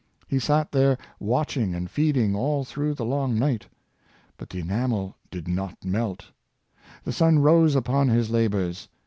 He sat there watching and feeding all through the long night. But the ena mel did not melt. The sun rose upon his labors.